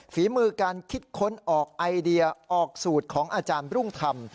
ฝีมือการคิดค้นออกไอเดียออกสูตรของอาจารย์รุ่งธรรม